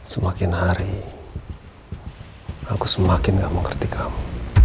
semakin hari aku semakin gak mengerti kamu